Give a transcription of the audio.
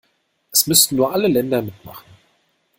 Es müssten nur alle Länder mitmachen.